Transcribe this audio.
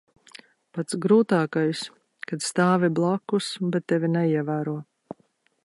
Pats grūtākais - kad stāvi blakus, bet tevi neievēro.